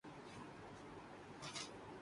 وہ تمہیں نہیں دیکھ سکتے ہیں۔